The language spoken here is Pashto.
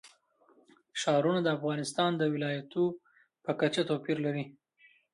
ښارونه د افغانستان د ولایاتو په کچه توپیر لري.